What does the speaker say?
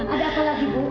ada apa lagi bu